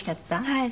はい。